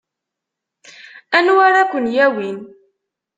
Anwa ara ken-yawin?